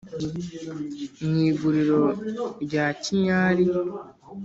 Mu iguriro rya Kinyari ;